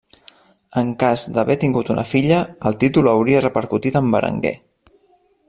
En cas d'haver tingut una filla, el títol hauria repercutit en Berenguer.